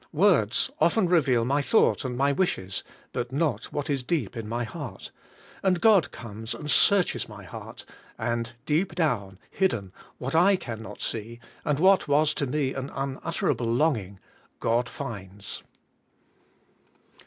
Words often reveal my thought and my wishes, but not what is deep in my heart, and God comes and searches my heart, and deep down, hidden, what I can not see and what was to me an unutterable longing, God finds.